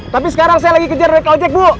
tapi sekarang saya lagi kejar oleh kojek bu